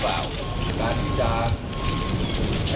และแค่ที่บอส